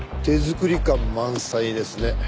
手作り感満載ですね。